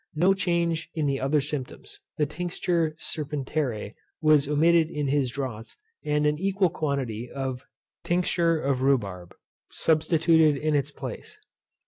No change in the other symptoms. The Tinct. Serpent. was omitted in his draughts, and an equal quantity of Tinct. Rhæi Sp. substituted in its place.